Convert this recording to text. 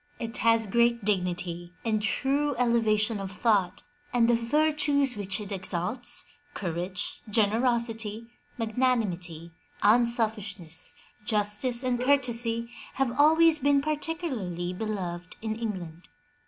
It has great dignity and true elevation of thought, and the virtues which it exalts — courage, generosity, magnanimity, unselfishness, justice and courtesy, have always been particularly beloved in England.